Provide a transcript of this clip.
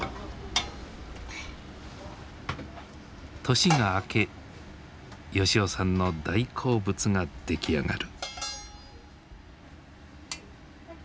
年が明け吉男さんの大好物が出来上がる。